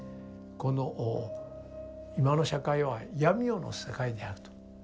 この「今の社会は闇夜の世界である」と。